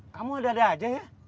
kamu udah ada aja ya